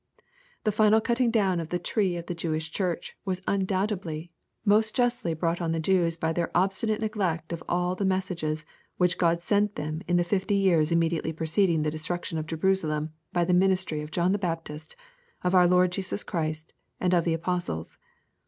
The final cutting down of the tree of the Jewish Church, was undoubtedly, most justly brought on the Jews by their obstinate neglect of all the messages which G od sent them in the fifty years immediately preceding the destruction of Jerusalem by the minis try of John the Baptist^ of our Lord Jesus Christy and of the Apos tles.